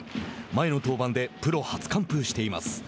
前の登板でプロ初完封しています。